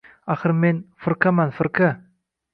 — Axir, men... firqaman, firqa!